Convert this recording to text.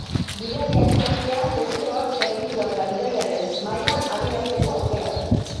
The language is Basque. Bidaia egin ostean, bezeroak zerbitzua eta gidariaren maila adierazteko aukera du.